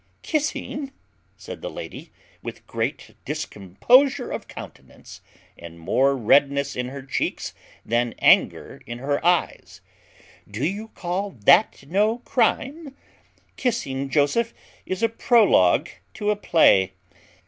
"Kissing!" said the lady, with great discomposure of countenance, and more redness in her cheeks than anger in her eyes; "do you call that no crime? Kissing, Joseph, is as a prologue to a play.